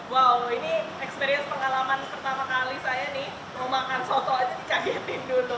wow ini experience pengalaman pertama kali saya nih mau makan soto aja dicagetin dulu